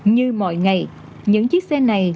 như mọi ngày những chiếc xe này